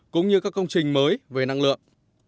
cũng như các công trình mới về năng lượng